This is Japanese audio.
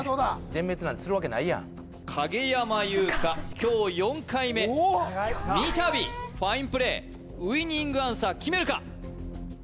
全滅なんてするわけないやん影山優佳今日４回目そっか私か三度ファインプレーウイニングアンサー決めるか？